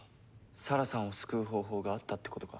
沙羅さんを救う方法があったってことか？